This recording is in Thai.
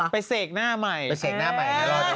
ไปเศกหน้าใหม่ให้รอดดู